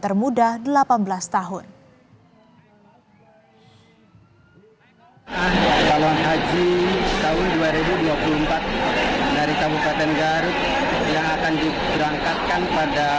sebelas tahun hai hai hai ah calon haji tahun dua ribu dua puluh empat dari kabupaten garut yang akan diberangkatkan pada